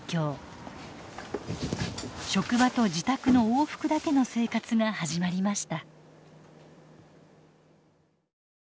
職場と自宅の往復だけの生活が始まりました。